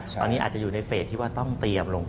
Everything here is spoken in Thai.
ตอนนี้อาจจะอยู่ในเฟสที่ว่าต้องเตรียมลงไป